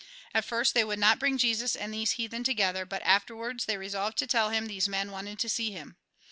At first they would not bring Jesus and these heathen together ; but afterwards they resolved to tell him these men v» anted to see him.